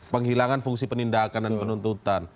penghilangan fungsi penindakan dan penuntutan